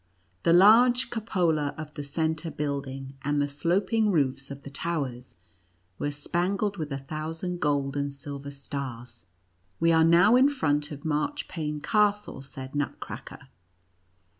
The large cupola of the centre building and the sloping roofs of the towers were spangled with a thousand gold and silver stars. "We are now in front of Marchpane Castle," said Nutcracker.